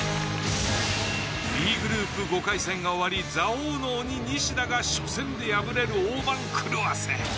Ｂグループ５回戦が終わり座王の鬼西田が初戦で敗れる大番狂わせ。